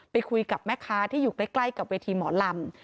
ไปคุยกับแม่ค้าที่อยู่ใกล้กับเวทีหมอลำ